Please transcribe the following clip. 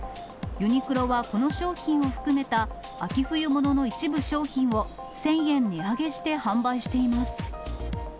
ユニクロはこの商品を含めた、秋冬物の一部商品を１０００円値上げして販売しています。